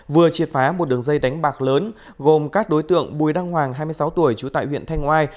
vừa triệt phá một đường dây đánh bạc lớn gồm các đối tượng bùi đăng hoàng hai mươi sáu tuổi trú tại huyện thanh oai